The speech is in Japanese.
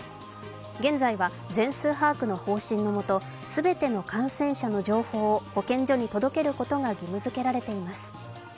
現在は全数把握の方針の下すべての感染者の情報を保健所に届けることが義務づけられています。